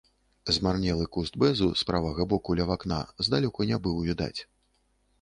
Змарнелы куст бэзу з правага боку, ля вакна, здалёку не быў відаць.